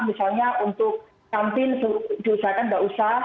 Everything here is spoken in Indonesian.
misalnya untuk kantin diusahakan tidak usah